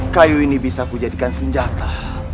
kayu ini bisa ku jadikan senjata